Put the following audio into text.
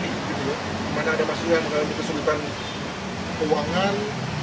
dimana ada masyarakat yang mengalami kesulitan keuangan